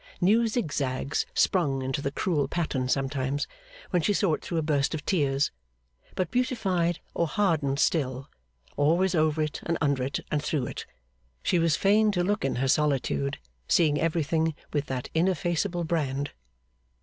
New zig zags sprung into the cruel pattern sometimes, when she saw it through a burst of tears; but beautified or hardened still, always over it and under it and through it, she was fain to look in her solitude, seeing everything with that ineffaceable brand.